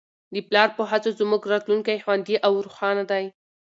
د پلار په هڅو زموږ راتلونکی خوندي او روښانه دی.